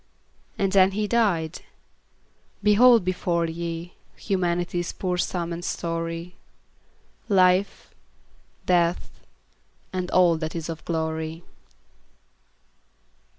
And then he died! Behold before ye Humanity's poor sum and story; Life, Death, and all that is of glory.